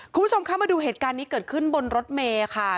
คุณผู้ชมคะมาดูเหตุการณ์นี้เกิดขึ้นบนรถเมย์ค่ะ